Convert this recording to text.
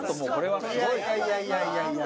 いやいやいやいやいや。